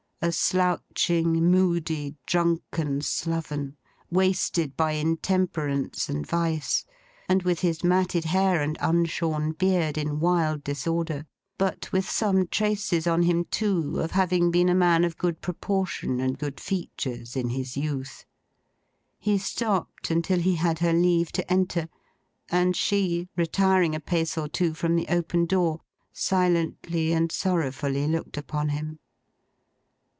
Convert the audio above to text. A slouching, moody, drunken sloven, wasted by intemperance and vice, and with his matted hair and unshorn beard in wild disorder; but, with some traces on him, too, of having been a man of good proportion and good features in his youth. He stopped until he had her leave to enter; and she, retiring a pace or two from the open door, silently and sorrowfully looked upon him.